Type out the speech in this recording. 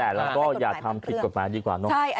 แต่เราก็อย่าทำทิศกฟ้าดีกว่านะครับ